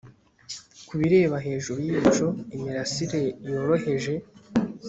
Kubireba hejuru yibicu imirasire yoroheje